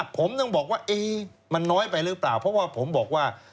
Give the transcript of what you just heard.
ผมต้องบอกว่ามันน้อยไปหรือเปล่าเพราะว่าผมบอกว่า